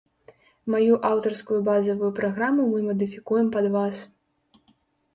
Маю аўтарскую базавую праграму мы мадыфікуем пад вас.